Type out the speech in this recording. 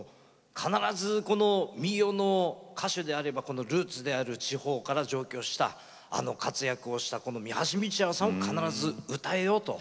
必ずこの民謡の歌手であればこのルーツである地方から上京したあの活躍をした三橋美智也さんを必ず歌えよと。